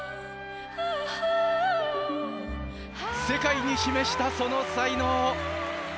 世界に示したその才能！